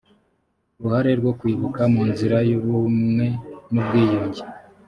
uruhare rwo kwibuka mu nzira y ubumwe n ubwiyunge